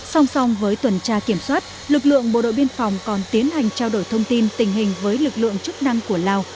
song song với tuần tra kiểm soát lực lượng bộ đội biên phòng còn tiến hành trao đổi thông tin tình hình với lực lượng chức năng của lào